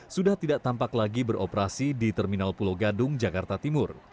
sudah tidak tampak lagi beroperasi di terminal pulau gadung jakarta timur